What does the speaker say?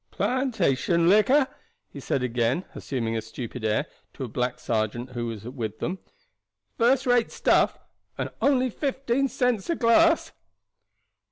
"Plantation liquor?" he said, again assuming a stupid air, to a black sergeant who was with them. "First rate stuff; and only fifteen cents a glass."